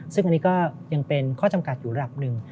ซึ่งอันนี้ก็ยังเป็นข้อจำกัดอยู่ระดับหนึ่ง